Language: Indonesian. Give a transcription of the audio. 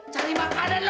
cari makanan lu